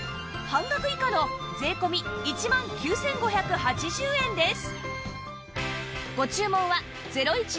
半額以下の税込１万９５８０円です